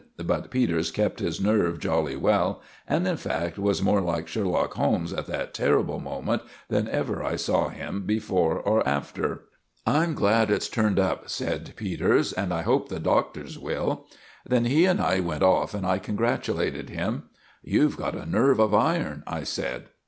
But Peters kept his nerve jolly well, and, in fact, was more like Sherlock Holmes at that terrible moment than ever I saw him before or after. "I'm glad it's turned up," said Peters, "and I hope the Doctor's will." Then he and I went off, and I congratulated him. "You've got a nerve of iron," I said.